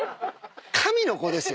神の子ですよ？